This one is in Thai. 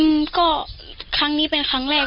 อืมก็ครั้งนี้เป็นครั้งแรก